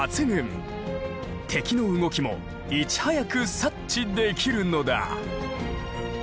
敵の動きもいち早く察知できるのだ。